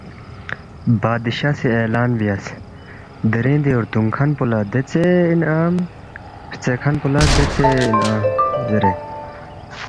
بادشاہ سی اعلان بیاس، ”دِرِنگ دِی ردُونگ کھن پو لہ دیژے انعام ہرژے کھن پو لہ دیژے انعام” زیرے